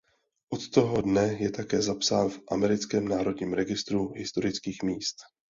Od toho dne je také zapsán v americkém Národním registru historických míst.